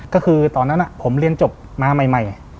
ก็คือตอนนั้นผมเรียนจบมาใหม่